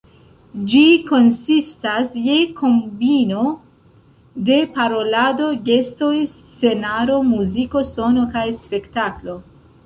Ĝi konsistas je kombino de parolado, gestoj, scenaro, muziko, sono kaj spektaklo.